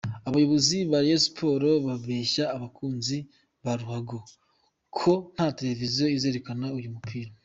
Abayobozi ba Rayon Sports babeshye abakunzi ba ruhago ko nta televiziyo izerekana uyu mupira.